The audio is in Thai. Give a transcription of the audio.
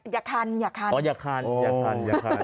อยากคันอยากคันอ๋ออยากคันอยากคันอยากคัน